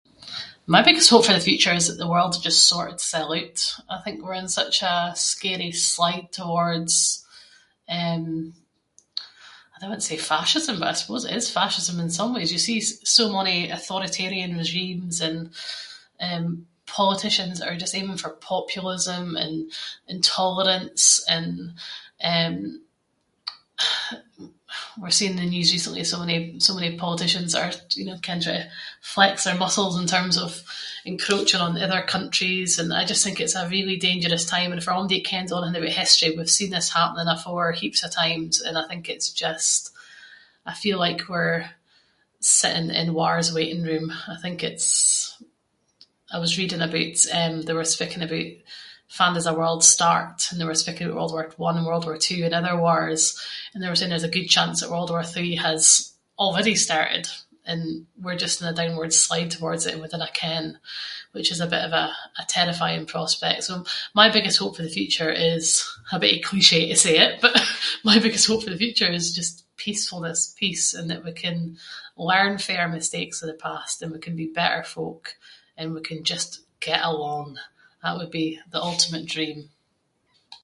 My biggest hope for the future is that the world will just sort itsel oot. I think we’re in such a scary slide towards, eh, I dinna want to say fascism but I suppose it is fascism in some ways. You see so many authoritarian regimes and eh politicians that are just aiming for populism and intolerance and eh- we’re seeing in the news recently so many- so many politicians that are you know, ken trying to flex their muscles in terms of encroaching on other countries and I just think it’s a really dangerous time. And for onybody that kens onything aboot history, we’ve seen this happening afore heaps of times. And I think it’s just- I feel like we’re sitting in war’s waiting room. I think it’s- I was reading aboot- eh they were speaking aboot fann does a world start and they were speaking about World War One and World War Two and other wars, and they were saying that there’s a good chance World War Three has already started and we’re just in a downwards slide towards it and we dinna ken, which is a bit of a terrifying prospect. So, my biggest hope for the future is a bittie cliché to say it, but my biggest hope for the future is just peacefulness, peace, and that we can learn fae our mistakes of the past, and that we can be better folk, and we can just get along. That would be the ultimate dream.